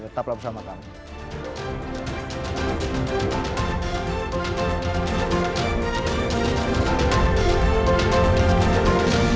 tetaplah bersama kami